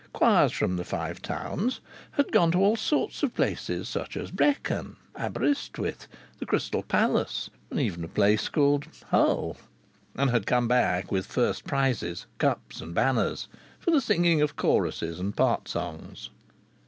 Choirs from the Five Towns had gone to all sorts of places such as Brecknock, Aberystwyth, the Crystal Palace, and even a place called Hull and had come back with first prizes cups and banners for the singing of choruses and part songs.